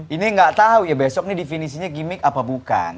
ini gak tahu besok ini definisinya gimmick apa bukan